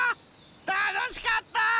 たのしかった！